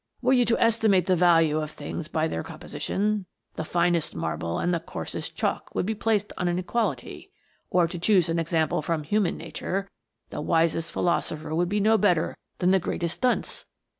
Were you to estimate the value of things by their com position, the finest marble and the coarsest chalk would be placed on an equality : or to choose an THE GNOMES. 265 example from human nature, the wisest philosopher would be no better than the greatest dunce.